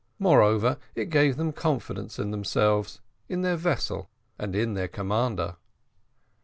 Moreover, it gave them confidence in themselves, in their vessel, and in their commander.